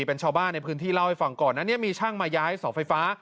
เป็นชาวบ้านในพื้นที่เล่าให้ฟังก่อนอันนี้มีช่างมาย้ายเสาไฟฟ้า